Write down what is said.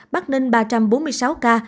bắc ninh ba trăm bốn mươi sáu ca